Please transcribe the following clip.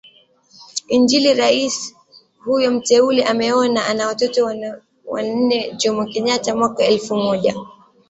injiliRais huyo mteule ameoa na ana watoto wanneJomo Kenyatta mwaka elfu moja